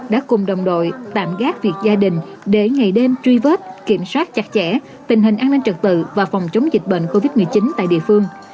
đã cùng đồng đội tạm gác việc gia đình để ngày đêm truy vết kiểm soát chặt chẽ tình hình an ninh trật tự và phòng chống dịch bệnh covid một mươi chín tại địa phương